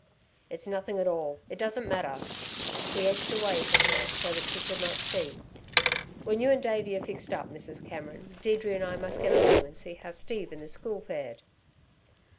"It's nothing at all; it doesn't matter!" He edged away from her so that she should not see. "When you and Davey are fixed up, Mrs. Cameron, Deirdre and I must get along and see how Steve and the school fared."